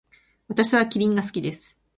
私はキリンが好きです。